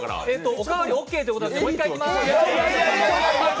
おかわりオッケーということなのでもう一回いきます。